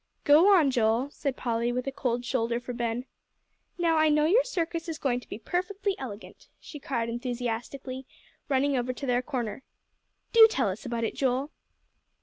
"Go on, Joel," said Polly, with a cold shoulder for Ben. "Now I know your circus is going to be perfectly elegant," she cried enthusiastically, running over to their corner. "Do tell us about it, Joel."